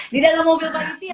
di dalam mobil panitia